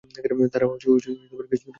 তারা কিছুই শোনে না।